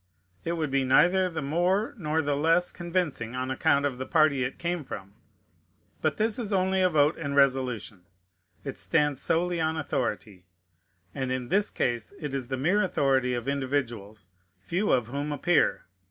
It would be neither the more nor the less convincing on account of the party it came from. But this is only a vote and resolution. It stands solely on authority; and in this case it is the mere authority of individuals, few of whom appear.